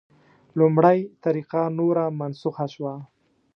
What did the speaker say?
لومړۍ طریقه نوره منسوخه شوه.